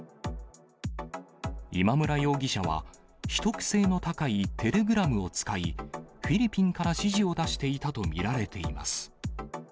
今村容疑者は、秘匿性の高いテレグラムを使い、フィリピンから指示を出していたと見られています。